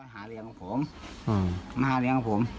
หาเลี้ยงกับผมไม่หาเลี้ยงกับผม